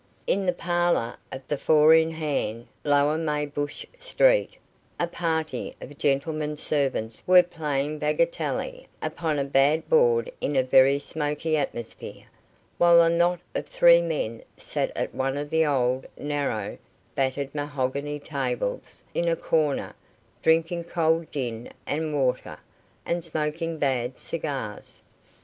In the parlour of the "Four in Hand," Lower Maybush street, a party of gentlemen's servants were playing bagatelle upon a bad board in a very smoky atmosphere, while a knot of three men sat at one of the old, narrow, battered mahogany tables in a corner, drinking cold gin and water, and smoking bad cigars.